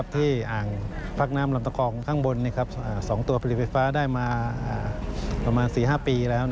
อ่างพักน้ำลำตะกองข้างบน๒ตัวผลิตไฟฟ้าได้มาประมาณ๔๕ปีแล้ว